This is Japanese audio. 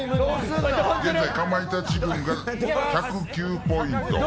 現在かまいたち軍が１０９ポイント